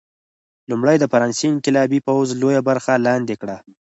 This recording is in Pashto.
لومړی د فرانسې انقلابي پوځ لویه برخه لاندې کړه.